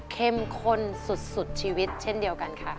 เข้มข้นสุดชีวิตเช่นเดียวกันค่ะ